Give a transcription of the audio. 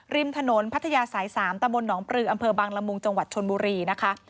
ริมถนนพัทยาสาย๓ตะบนหนองปลืออำเภอบังละมุงจังหวัดชนบุรีนะคะ